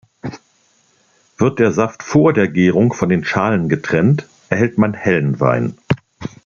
Wird der Saft vor der Gärung von den Schalen getrennt, erhält man hellen Wein.